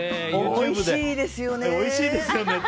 おいしいですよねって